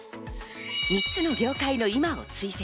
３つの業界の今を追跡。